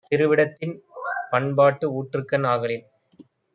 திருவிடத்தின் பண்பாட்டு ஊற்றுக்கண் ஆகலின்